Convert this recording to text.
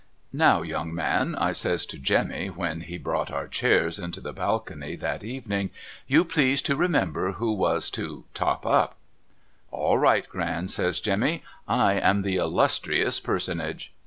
' Now young man,' I says to Jemmy when we brought our chairs 376 MRS. LIRRIPKR'S LEGACY into the balcony that last evening, ' you please to remember who was to " top up." '' All right Gran ' says Jemmy, ' I am the illustrious personage.'